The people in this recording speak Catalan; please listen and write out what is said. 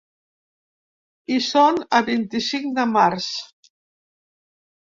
I som a vint-i-cinc de març.